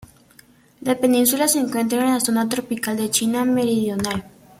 La península se encuentra en la zona tropical de China meridional.